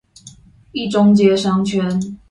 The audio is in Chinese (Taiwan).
一中街商圈